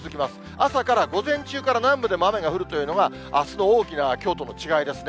朝から午前中から南部でも雨が降るというのが、あすの大きなきょうとの違いですね。